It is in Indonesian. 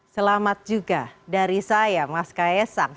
selamat juga dari saya mas kaisang